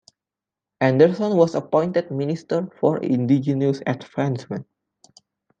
Anderson was appointed Minister for Indigenous Advancement.